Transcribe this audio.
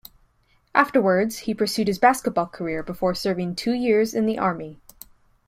Afterwards, he pursued his basketball career before serving two years in the Army.